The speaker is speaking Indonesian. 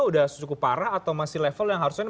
sudah cukup parah atau masih level yang harusnya